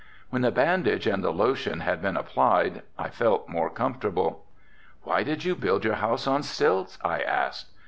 When the bandage and the lotion had been applied I felt more comfortable. "Why did you build your house on stilts?" I asked.